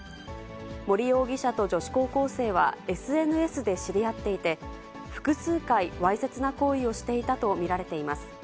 森容疑者と女子高校生はＳＮＳで知り合っていて、複数回、わいせつな行為をしていたと見られています。